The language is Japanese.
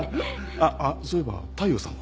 あっそういえば大陽さんは？